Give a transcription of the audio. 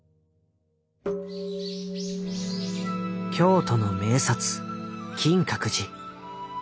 京都の名刹金閣寺。